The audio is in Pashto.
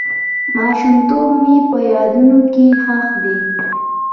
ماشومتوب مې په یادونو کې ښخ دی.